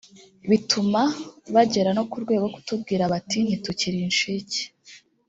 bituma bagera no ku rwego rwo kutubwira bati ntitukiri incike